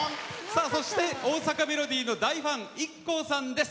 そして「大阪メロディー」で大ファン、ＩＫＫＯさんです。